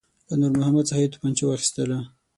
له نور محمد څخه یې توپنچه واخیستله.